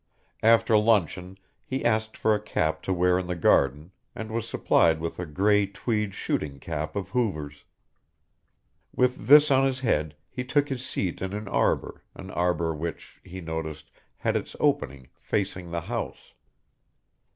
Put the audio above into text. After luncheon he asked for a cap to wear in the garden, and was supplied with a grey tweed shooting cap of Hoover's. With this on his head he took his seat in an arbour, an arbour which, he noticed, had its opening facing the house.